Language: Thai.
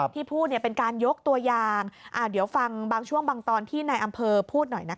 ที่พูดเป็นการยกตัวยางเดี๋ยวฟังบางช่วงบางตอนที่นายอำเภอพูดหน่อยนะคะ